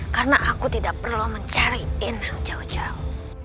karena aku tidak perlu mencari inang jauh jauh